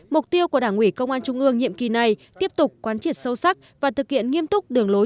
mục tiêu của đảng ủy công an trung ương nhiệm kỳ này tiếp tục quan triệt sâu sắc và thực hiện nghiêm túc đường lối